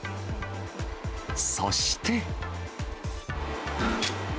そして。